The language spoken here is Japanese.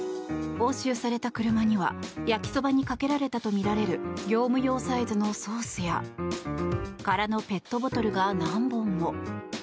押収された車には焼きそばにかけられたとみられる業務用サイズのソースや空のペットボトルが何本も。